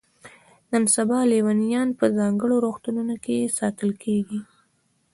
نن سبا لیونیان په ځانګړو روغتونونو کې ساتل کیږي.